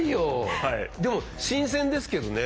でも新鮮ですけどね。